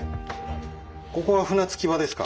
ここが船着き場ですか？